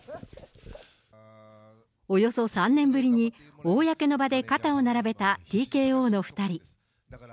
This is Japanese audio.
およそ３年ぶりに、公の場で肩を並べたＴＫＯの２人。